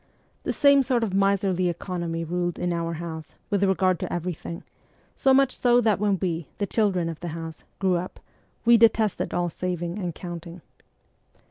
The same sort of miserly economy ruled in our house with regard to everything ; so much so that when we, the children of the house, grew up, we detested all saving and counting.